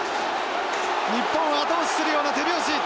日本を後押しするような手拍子。